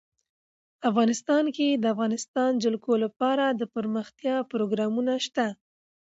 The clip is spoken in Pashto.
افغانستان کې د د افغانستان جلکو لپاره دپرمختیا پروګرامونه شته.